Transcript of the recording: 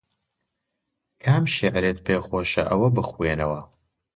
کام شیعرت پێ خۆشە ئەوە بخوێنەوە